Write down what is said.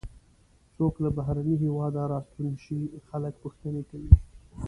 څوک له بهرني هېواده راستون شي خلک پوښتنې کوي.